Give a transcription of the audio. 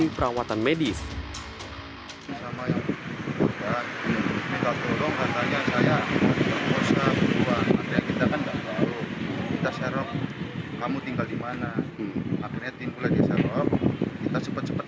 udah melakukan kekuasaan itu